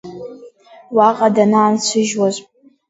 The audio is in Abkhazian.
Уаҟа данаансыжьуаз…